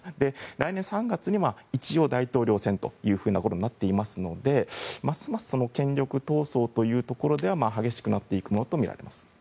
来年３月には一応、大統領選ということになっていますのでますます権力闘争は激しくなっていくとみられます。